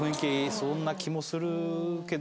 そんな気もするけど。